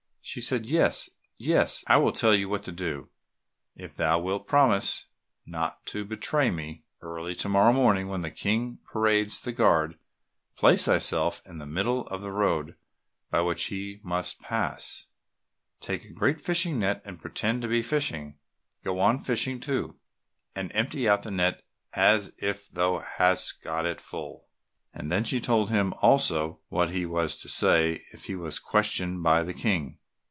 Said she, "Yes, I will tell you what to do, if thou wilt promise me not to betray me. Early to morrow morning, when the King parades the guard, place thyself there in the middle of the road by which he must pass, take a great fishing net and pretend to be fishing; go on fishing, too, and empty out the net as if thou hadst got it full" and then she told him also what he was to say if he was questioned by the King.